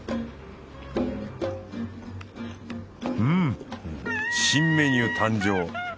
うん新メニュー誕生。